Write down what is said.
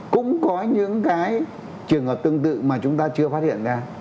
cũng có những cái trường hợp tương tự mà chúng ta chưa phát hiện ra